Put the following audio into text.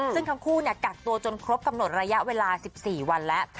ซึ่งทั้งคู่กักตัวจนครบกำหนดระยะเวลา๑๔วันแล้ว